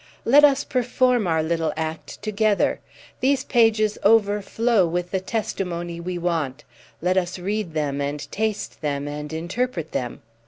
Let us perform our little act together. These pages overflow with the testimony we want: let us read them and taste them and interpret them.